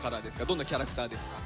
どんなキャラクターですか？